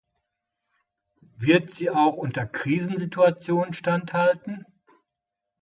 Wird sie auch unter Krisensituationen standhalten?